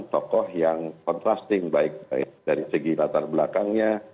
sekarang tokoh yang contrasting baik dari segi latar belakangnya